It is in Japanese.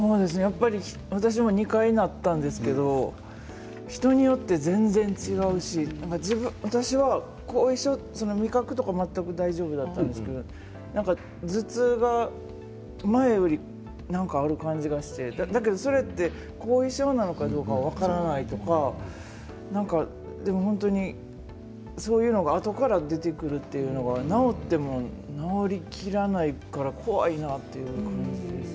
私も２回なったんですけど人によって全然違うし私は後遺症というか味覚は全く大丈夫なんですけど頭痛が前より多い感じがしていてでも、それが後遺症なのかどうかも分からないとかそういうのがあとから出てくるというのは治っても治りきらないから怖いなというふうに思います。